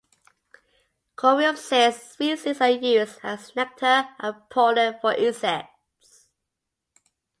"Coreopsis" species are used as nector and pollen for insects.